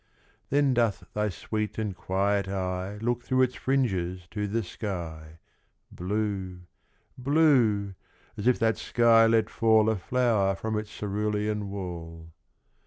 Then doth thy sweet and quiet eye Look through its fringes to the sky, Blue blue as if that sky let fall A flower from its cerulean wall.